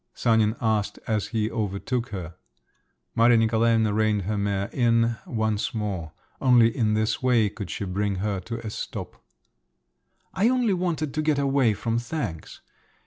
Sanin asked, as he overtook her. Maria Nikolaevna reined her mare in once more: only in this way could she bring her to a stop. "I only wanted to get away from thanks.